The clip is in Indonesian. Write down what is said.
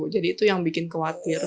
jadi itu yang bikin khawatir